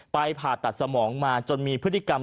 ผ่าตัดสมองมาจนมีพฤติกรรม